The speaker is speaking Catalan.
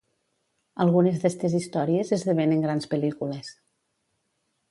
Algunes d'estes històries esdevenen grans pel·lícules.